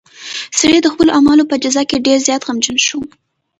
سړی د خپلو اعمالو په جزا کې ډېر زیات غمجن شو.